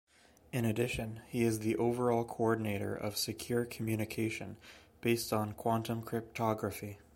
In addition, he is the overall coordinator of Secure Communication based on Quantum Cryptography.